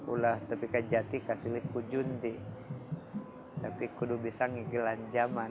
ulah tepika jati kasiliku jundi tapi kudu bisa ngigilan jaman